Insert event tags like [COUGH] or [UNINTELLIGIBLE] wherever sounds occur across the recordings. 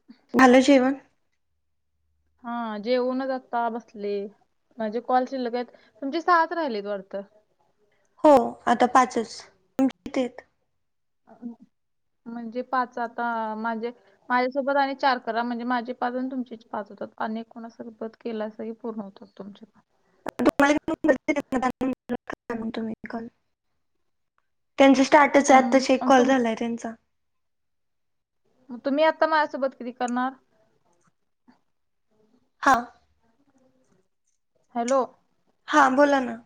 [INAUDIBLE] [UNINTELLIGIBLE] झालं जेवण? हा जेवुणच आता बसले. माझे कॉल शिल्लक आहेत तुमची साहाच राहिलीत वाटत. हो आता पाचच [UNINTELLIGIBLE] म्हणजे पाच आता माझे माझ्यासोबत आणि चार करा म्हणजे माझे पाच आणि तुमचे पाच होतात. आणि एक कोणासोबत केलासा की पूर्ण होतो. मग तूमचे पण [UNINTELLIGIBLE] तुम्ही [UNINTELLIGIBLE] त्यांच स्टार्टच हाय हम्म आत्ताशी एक अन कॉल तुम झालाय त्यांचा. मग तुम्ही आता माझ्यासोबत किती करणार? हा. हॅलो! हा बोला ना.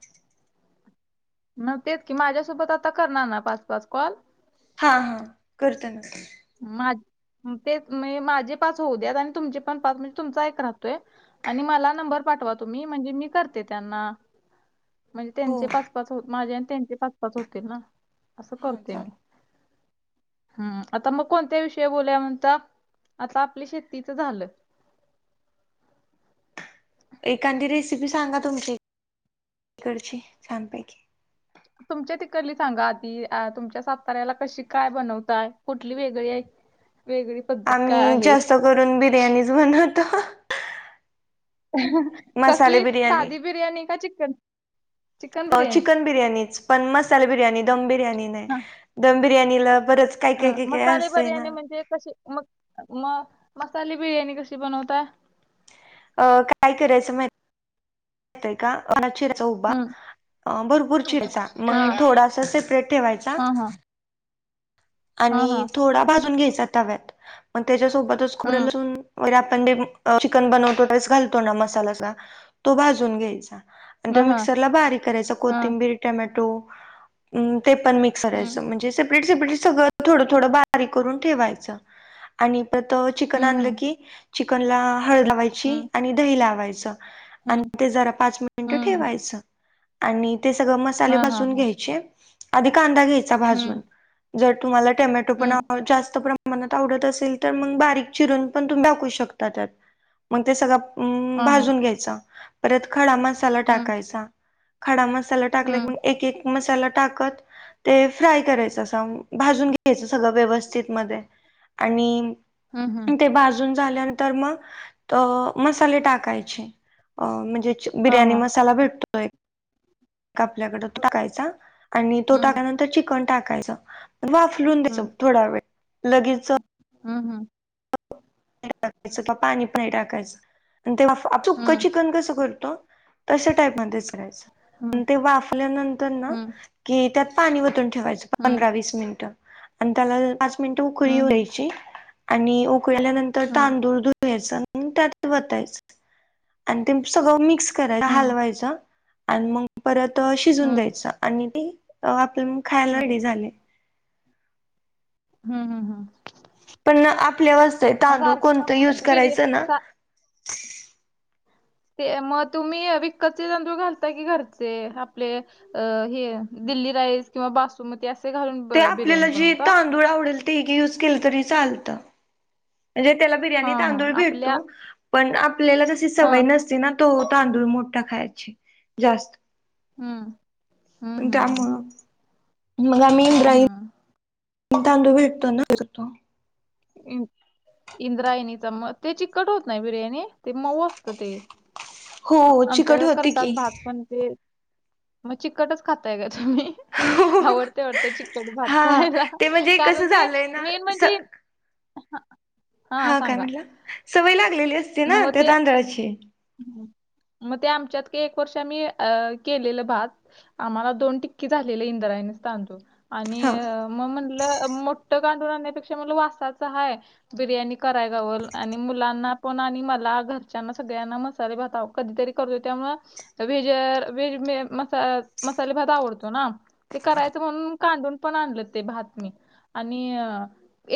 मग तेच की माझ्यासोबत आता करणार ना पाच पाच कॉल? हा हा करते नंतर. मा तेच म्हणजे माझे पाच होऊद्यात आणि तुमचे पण पाच म्हणजे तुमचा एक राहतोय. आणि मला नंबर पाठवा तुम्ही म्हणजे मी करते त्यांना. म्हणजे हो त्यांचे पाच पाच होत माझे आणि त्यांचे पाच पाच होतील ना, असं हा करतोय चालेल मी. हम्म. आता मग कोणत्या विषय बोलुया म्हणता? आता आपल्या शेतीचं झालं. एखादी रेसिपी सांगा तुमची, तिकडची छानपैकी. तुमच्या तिकडली सांगा आधी तुमच्या आ साताऱ्याला कशी काय बनवताय कुठली वेगळी आहे. वेगळी पद्धत काय आम्ही आहे जास्त करून बिर्याणीच बनवतो. मसाले कसली बिर्याणी साधी बिर्याणी का चिकन? चिकन बिर्याणी चिकन बिर्याणीच, पण मसाले बिर्याणी दम बिर्याणी नाही. दम बिर्याणीला बरंच काय ह काय काय काय मसाले असतंय ना बिर्याणी म्हणजे कशी मग मग मसाले बिर्याणी कशी बनवता? अ काय करायचं महि [UNINTELLIGIBLE] चिरायचा उभा. हम्म अ भरपूर चिरायचा हा मग थोडासा सेपरेट ठेवायचा. हा हा हा आणि हा थोडा भाजून घ्यायचा तव्यात, मग त्याच्यासोबतच खोबर लसून वर आपण अ चिकन बनवतो त्यावेळेस घालतो ना मसाला‌ असा तो भाजून घ्यायचा. आणि त हा हा मिक्सरला बारीक करायचा हा कोथिंबीर टँमॅटो ते पण मिक हम्म सगळ्याच म्हणजे सेपरेट सेपरेट सगळं थोडं थोडं बारीक करून ठेवायचं. आणि त त चिकन हम्म आणलं की चिकनला हळद हम्म लावायची आणि दही लावायचं. आणि हं, ते जरा पाच मिनट हं. ठेवायचं. आणि ते सगळं मसाले हां, हां, भाजून हां. घ्यायचे, आधी कांदा घ्यायचा हं, भाजून. जर तुम्हाला टोमॅटो पण हं. आव जास्त प्रमा मनात आवडत असेल तर मग बारीक चिरून पण तुम्ही टाकू शकतात त्यात. मग ते सगळा हां, हां. भाजून घ्यायचा. परत खडा मसाला हं, टाकायचा, खडा मसाला टाकल्यात मी हं. मंग एक एक मसाला टाकत ते फ्राय करायच अस. हा भाजून घ्यायच सगळं व्यवस्थितमध्ये आणि हम्म हम्म. ते भाजून झाल्यानंतर मग अ मसाले टाकायचे, अ म्हणजे हां, बिर्याणी हां. मसाला भेटतो. तो एक आपल्याकडे तो टाकायचा आणि तो हं, टाकल्यानंतर चिकन टाकायचा. वाफलून घ्यायचं थोडा वेळ, लगेच हा हा. [INAUDIBLE] पाणी पाणी टाकायचं आणि ते वाफ, सुक्क हं, हं. चिकन कसं करतो. तशा टाईप मध्येच करायचं हं, आणि ते वाफल्यानंतर ना हं. कि त्यात पाणी वतून ठेवायचं पंधरा हं, वीस मिनिटं आणि त्याला पाच मिनिटं उकळी येऊ हं. द्यायची आणि उकळल्यानंतर हं, हं. तांदूळ धुवून घ्यायचा आणि त्यात ओतायचं आणि ते सगळं मिक्स करायचा, हं, हलवायचा आणि मग परत शिजवून हं. द्यायच आणि ते अ आपण खायला रेडी झाले. हम् हम् हम्. पण आपल्यावर असतंय, तांदूळ सारखी कोणतं मग युज बिर्या करायचं ना. सा ते मग तुम्ही विकतचे तांदूळ घालता की घरचे आपले. अ हे दिल्ली राईस किंवा बासमती असे घालून बिर्याणी बनवता. तुला आवडेल ते युज केलं तरी चालतं. म्हणजे त्याला बिर्याणी हां, हां. तांदूळ भेटतो आपल्या पण आपल्याला जशी हां. सवय नसते ना. तो तांदूळ मोठ्ठा खायची जास्त. हम्म, हम्म, हम्म, हम्म. त्यामुळं मग आम्ही इंद्रायणी, तांदूळ भेटतो ना. [UNINTELLIGIBLE] इंद्रायणीच मग, ते चिकट होत नाही बिर्याणी, ते मऊ असत ते. हो चिकट आमच्याकडे होती करतात की. भात पण ते, मग चिकटच खाताय का? तुम्ही. आवडतंय वाटतं चिकट भात हा खायला ते म्हणजे कारण कसं ते झालंय मेन ना म्हणजे. [UNINTELLIGIBLE] हा, काय सांगा म्हणलं? सवय लागलेली असते ना नव्ह त्या ते तांदळाची. मग ते आमच्यात का एक वर्ष आम्ही अ केलेलं भात. आम्हाला दोन टिक्की झालेले इंद्रायणीच तांदूळ. आणि हा. मग, म्हटलं मोठठं तांदूळ आणण्यापेक्षा म्हटलं, वासाच हाय. बिर्याणी करायला लावल आणि मुलांना पण आणि मला घरच्यांना सगळ त्यांना मसाले भाता कधीतरी करतो त्यामुळ व्हेज व्हेज मसाले मसाले भात आवडतो ना. ते करायचं म्हणून कांडून पण आणलं ते भात मी आणि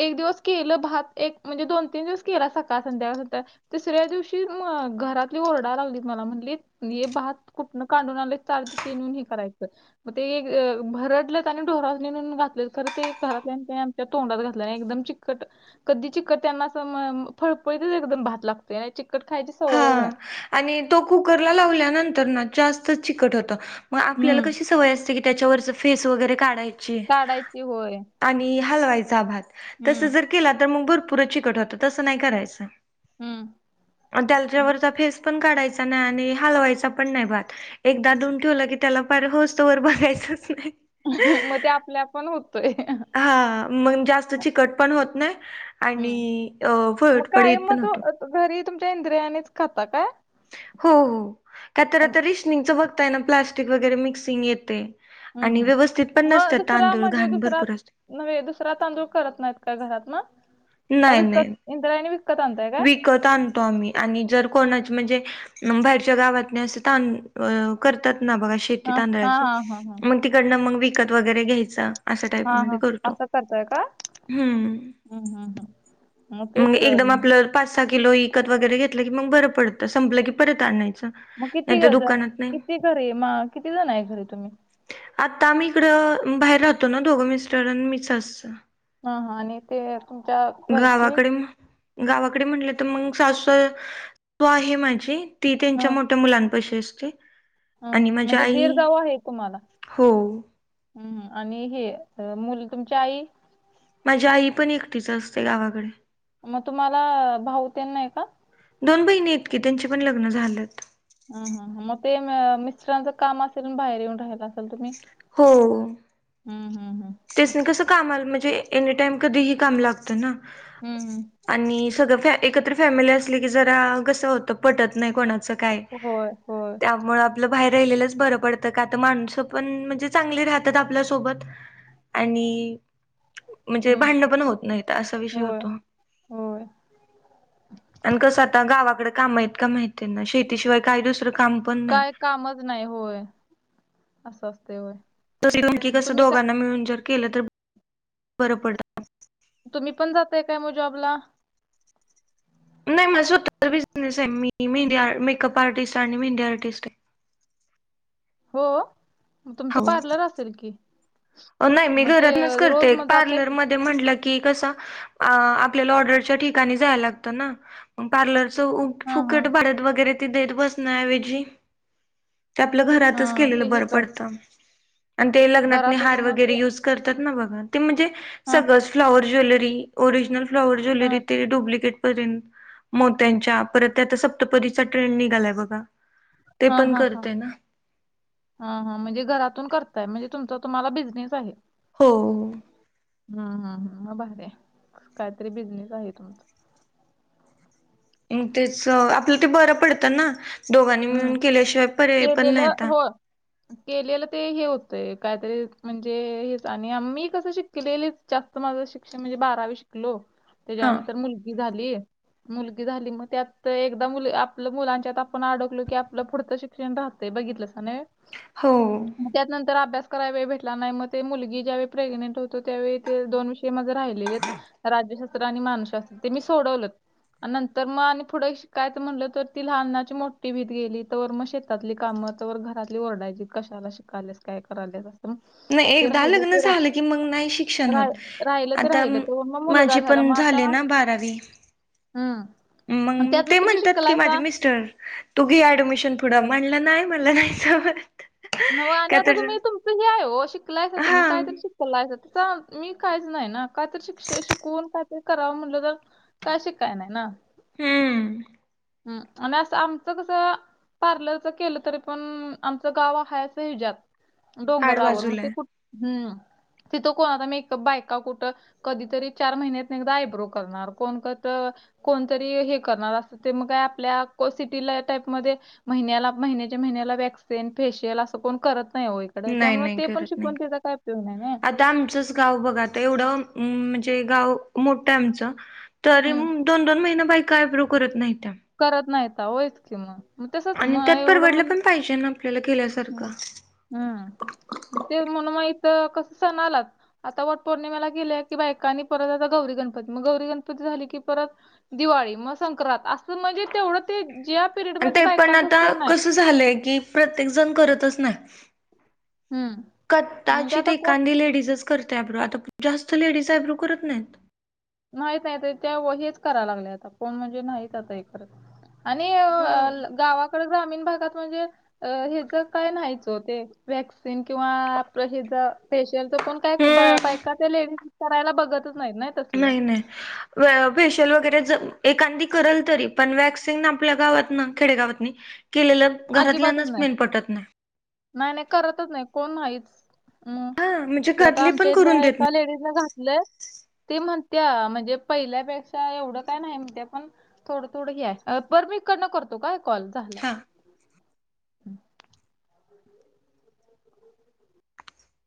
एक दिवस केलं भात एक म्हणजे दोन तीन दिवस केला सकाळ संध्याकाळ. तिसऱ्या दिवशी मग घरातली ओरडा लावलीत मला म्हणलीत हे भात कुठनं काणून आणलय चांगल चाळून हे करायचं. मग ते एक भरडलस आणि ढोरास नी नेवून घातलत खर ते एक घरातल्या त्याच्या तोंडात घातल्याने एकदम चिक्कट- कधी चिक त्यांना फळपळीतच एकदम भात लागतो. चिक ट खाय [UNINTELLIGIBLE] हा आणि तो कुकरला लावल्यानंतर ना जास्त चिकट होते. मग आपल्याला हम्म. कशी सवय असते की त्याच्यावरच फेस वगैरे काढायची. काढायची होय. आणि हलवायचा भात तसं हम्म, जर केला तर मग भरपूर चिकट होतं तसं नाही करायचं. हम्म. हम्म. त्याच्यावरचा फेस पण काढायचा नाय आणि हलवायचा पण नाही भात. एकदा धूवून ठेवलं की त्याला पार होस तोवर बघायचंच नाय. हं हं मग ते आपल्या आप पण होतोय हंहं. हा मग जास्त चिकट पण होत नाय आणि हम्म. मग कायम फळफळीत मग पण होतो. तो घरी तुमच्या इंद्रियानेच खाता काय? हो हो काय तर आता रिशनिंगच बघताय ना प्लास्टिक वगैरे मिक्सिंग येतेय. हम्म आणि हम्म. व्यवस्थित पण मग नसतात दुसरा तांदूळ म्हणजे घाण दुसरा भरपूर असते. नव्हे दुसरा तांदूळ करत नाहीत काय घरात मग का नाही विकत नाही. इंद्रायणी विकत आणताय काय? विकत आणतो आम्ही आणि जर कोणाची म्हणजे मग बाहेरच्या गावात असंत करतात ना बघा शेती हा हा तांदळाची हा हा हा मग तिकडनं मग विकत वगैरे घ्यायचं. हा हा असं करतोय का हम्म. हम्म हम्म् मग तेच एकदम मग आपलं पाच सहा किलो इकत वगैरे घेतलं की मग बर पडतं संपलं की परत आणायचं. मग किती नाही तर जण दुकानात नाही किती घरी मग किती जण आहे घरी तुम्ही? आता मी इकडं बाहेर राहतो ना दोघं मिस्टर आणि मिसेस. हा हा आणि ते तुमच्या घरचे? गावाकडे म्ह- गावाकडे म्हटलं तर मग सासू त आहे माझी. ती त्यांच्या हम्म मोठ्या मुलांपाशी असते. हम्म आणि हम्म माझी म्हणजे आई गीरगाव आहे तुम्हाला. हो हम्म आणि हे मुलं तुमच्या आई माझ्या आई पण एकटीच असते गावाकडे. मग तुम्हाला भाऊ तेन नाही का? दोन बहिणी आहेत की त्यांची पण लग्न झालंत. हम हम मग ते म मिस्टरांचं काम असेल म्हणुन बाहेर येऊन राहायला असेल तुम्ही. हम्म हम् हम्. तेस्नी कसं काम आलं म्हणजे एनी टाइम कधीही काम लागतं ना. हम्म हम्म. आणि सगळं फँ एकत्र फॅमिली असली की जरा कसं होतं पटत नाही कोणाचं. काय होय होय त्यामुळे आपलं बाहेर राहिलेलंच बरं पडतं का तर माणसं पण म्हणजे चांगली राहतात आपल्यासोबत. आणि म्हणजे हम्म. भांडणं पण होत नाहीत असा विषय होय होतो. होय आणि कसं आता गावाकडे काम आहेत का माहितीय ना शेतीशिवाय काही दुसरं काम पण नाही. ज नाही होय अस असतय होय. [UNINTELLIGIBLE] त नमकी मग कस तुम्ही काय दोघांना मिळून जर केलं तर बरं पडत. तुम्ही पण जातय काय मग जॉबला? नाही मला स्वतःचा बिझनेस आहे मी मी मेहंद आ मेकअप आर्टिस्ट आणि मेहंदी आर्टिस्ट आहे. हो मग तुमचं हो पार्लर असेल की? नाही मी मग ते घरातनच अ, करते रोज एक मग जाताय का? पार्लरमध्ये म्हंटलं की कसं अ आपल्याला ऑर्डरच्या ठिकाणी जायला लागतं ना पार्लरच उब हा हा फुकट भारत वगैरे ती देत बसण्याऐवजी ते आपलं घरातच हा ते केलेलं हे बरं कर पडतं आणि ते लग्नात हा घरातच मग ते स करत्यात ना बागा ते म्हणजे हा सगळच फ्लाँअर ज्वेलरी ओरीजणल फ्लॉवर हा ज्वेलरी ते डुप्लिकेट करीन मोत्यांच्या परत ते आता सप्तपदीचा ट्रेंड निघालाय बघा. ते हा पण हा हा. करते ना हा हा म्हणजे घरातून करताय म्हणजे तुमचा तुम्हाला बिझनेस आहे. हो हो. हम हम ह मग भारी आहे कायतरी बिझनेस आहे तुमचा. हम्म तेच आपलं ते बरं पडतं ना दोघांनी हम्म मिळून केल्याशिवाय पर्याय पण नाही केलेलं आता. होय केलेलं ते हे होतय कायतरी म्हणजे हेच आणि आम्ही कसं शिक केले जास्त माझं शिक्षण म्हणजे बारावी शिकलो. हा त्याच्यानंतर मुल निघाली मुलगी झाली मग त्यात एकदम मुलं आपल्या मुलांच्या आपणं अडक की आपलं पुढचं शिक्षण राहतय बघितलास ने. हो. त्यात नंतर अभ्यास कराय वेळ भेटला नाही मग ते मुलगी ज्यावेळी प्रेग्नेंट होतो त्यावेळी ते दोन विषय माझे राहिलेले राज्यशास्त्र आणि मानूसशास्त्र ते मी सोडवलं. आणि नंतर म आणि पुढे ही शिकायच म्हटलं तर ती लहनाची मो टीव्हीत गेली तो वर म शेतातली कामं तो वर घरातली ओरडायची कशाला शिकालेस काय करालेस. नाही एकदा लग्न झालं की मग नाही शिक्षण होत रा- राहिलं ते आता राहिलं म तर मग मुलगा माझी झाला पण मग आता झाले ना बारावी. हम्म आणि मंग त्यातनं ते तुम्ही म्हणत्यात की माझे शिकलायसा मिस्टर. तु घे ऍडमिशन पुढं म्हणलं नाही म्हणलं नाही सावरत. नवा आणि आता तुम्ही तुमचं हे आहे हो शिकलाय तुम्ही हा काय तरी शिक [UNINTELLIGIBLE] मी काहीच नाही ना कायतरी शिक्ष शिकवून कायतरी करावं म्हटलं तर काय शिकाय नाही ना. हम्म. हम्म आणि असं आमचं कसं पार्लरच केलं तरी पण आमचं गावा फायच हेज्यात आड डोंगरावर म बाजूला ते कुठ आहे हम्म. तिथं कोण आता मेकप बायका कुठं कधीतरी चार महिन्यात एकदा आयब्रो करणार कोणकत कोणतरी हे करणार असं ते म काय आपल्या को सिटीला टाईपमध्ये महिन्याला महिन्याचा महिन्याला वॅक्स तेन फेशी केला असं कोण करत नाही हो इकडं नाही त्याममुळं ते पण शिकून त्याचा काही उपयोग नाही ना. ता आमचंच गाव बघा तेवढं म्हणजे गाव मोठं आमचं तरी हम्म म दोन-दोन महिना बायका आयब्रो करत नाही त्या. करत नाही आता होयच की म. आणि त्यात परवडलं पण पाहिजे ना आपल्याला हम्म केल्यासारखं. हम्म ते म्हण माहित का सण आलात आता वट पौर्णिमेला गेले कि बायकानी परत आता गौरी गणपती मग गौरी गणपती झाली की परत दिवाळी म संक्रांत असं म्हणजे तेवढं ते जे आ आणि ते पण आता कस झालंय कि प्रत्येक जण करतच नाय. हम्म म्हणजे कताची आता ते कोण कांदी लेडीजच करते आयब्रो आता जास्त लेडीज आयब्रो करत नाहीत. माहीत नाही ते त्या व हेच करायला लागले आता कोण म्हणजे नाहीत आता हे करत. आणि अ हो ल गावाकडे ग्रामीण भागात म्हणजे अ हेचा काय नाहीचो ते वॅक्सिन किंवा आपलं हेज्या फेशियलचा कोण काय बा हम्म बायका ते लेडीज करायला बघतच नाही नाही तसलं नाही नाही. वै फेशियल वगैरे ज एखांदी करल तरी पण वॅक्सिन आपल्या गावात ना खेडेगावातनी केलेलं अजिबातच घरातल्यानच नाही. मेन पटत नाही. नाही नाही करतच नाही कोण नाहीच म हा म्हणजे ते आता घरातले पण आमच्या करून इथल्या देत एका नाही लेडीजलाने घात लय ते म्हणत्या म्हणजे पहिल्यापेक्षा एवढं काय नाही म्हणत्या पण थोडं थोडं ही आहे पर मी इकडन करतो काय कॉल झालाय. हा.